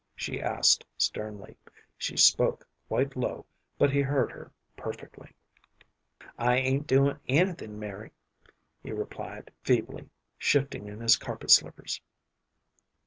she asked, sternly. She spoke quite low, but he heard her perfectly. "I ain't doin' anything, Mari," he replied, feebly, shifting in his carpet slippers.